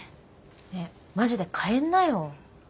ねえマジで帰んなよ。